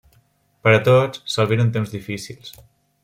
Per a tots, s'albiren temps difícils.